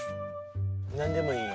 何でもいいよ。